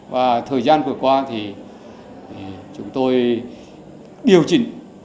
và thời gian vừa qua thì chúng tôi điều chỉnh